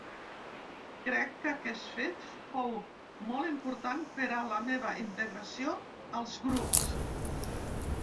Crec que aquest fet fou molt important per a la meva integració als grups.